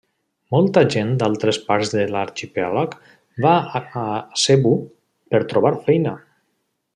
Molta gent d'altres parts de l'arxipèlag va a Cebu per trobar feina.